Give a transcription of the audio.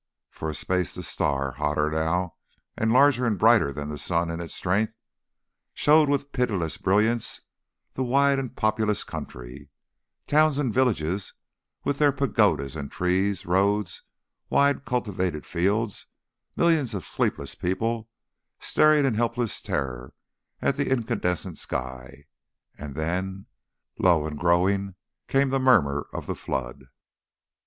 For a space the star, hotter now and larger and brighter than the sun in its strength, showed with pitiless brilliance the wide and populous country; towns and villages with their pagodas and trees, roads, wide cultivated fields, millions of sleepless people staring in helpless terror at the incandescent sky; and then, low and growing, came the murmur of the flood.